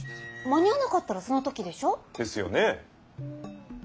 間に合わなかったからその時でしょ？ですよね？